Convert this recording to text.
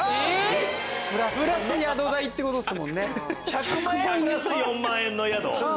１００万円プラス４万円の宿。